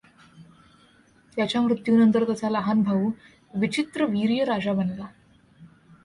त्याच्या मृत्यूनंतर त्याचा लहान भाऊ विचित्रवीर्य राजा बनला.